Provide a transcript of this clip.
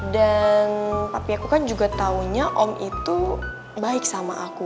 dan papi aku kan juga taunya om itu baik sama aku